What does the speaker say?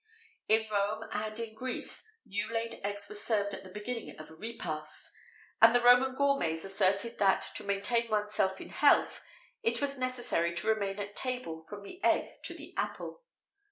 [XVIII 72] In Rome and in Greece, new laid eggs were served at the beginning of a repast;[XVIII 73] and the Roman gourmets asserted that, to maintain oneself in health, "it was necessary to remain at table from the egg to the apple."